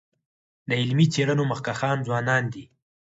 د علمي څيړنو مخکښان ځوانان دي.